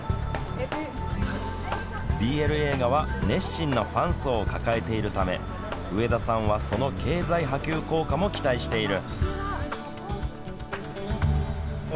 ＢＬ映画は熱心なファン層を抱えているため上田さんはその経済波及効果も期待している。